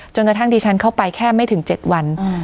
กระทั่งดิฉันเข้าไปแค่ไม่ถึง๗วัน